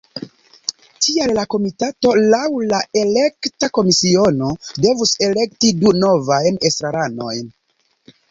Tial la komitato laŭ la elekta komisiono devus elekti du novajn estraranojn.